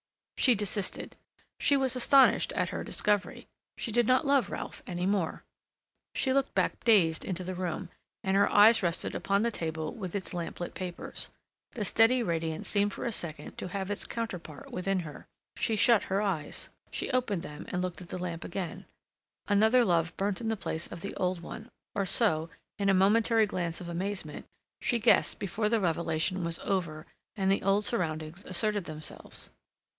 She desisted. She was astonished at her discovery. She did not love Ralph any more. She looked back dazed into the room, and her eyes rested upon the table with its lamp lit papers. The steady radiance seemed for a second to have its counterpart within her; she shut her eyes; she opened them and looked at the lamp again; another love burnt in the place of the old one, or so, in a momentary glance of amazement, she guessed before the revelation was over and the old surroundings asserted themselves.